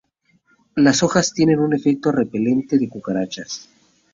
Las hojas tienen un efecto repelente de cucarachas.